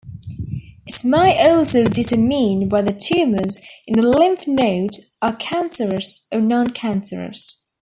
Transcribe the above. It may also determine whether tumors in the lymph node are cancerous or noncancerous.